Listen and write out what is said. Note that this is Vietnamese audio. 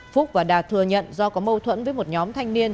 phúc và đạt thừa nhận do có mâu thuẫn với một nhóm thanh niên